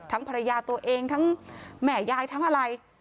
ภรรยาตัวเองทั้งแม่ยายทั้งอะไร